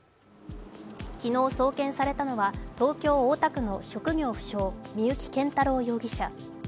昨日送検されたのは東京・大田区の職業不詳・三幸謙太郎容疑者。